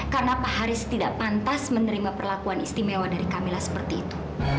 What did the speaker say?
karena pak haris tidak pantas menerima perlakuan istimewa dari kamila seperti itu